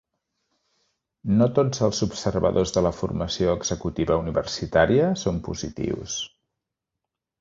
No tots els observadors de la formació executiva universitària són positius.